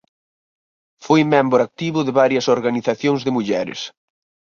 Foi membro activo de varias organizacións de mulleres.